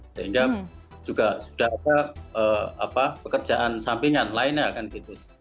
sehingga juga sudah ada pekerjaan sampingan lainnya kan gitu